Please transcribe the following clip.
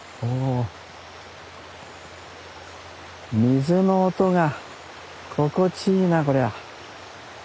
水の音が心地いいなこりゃ。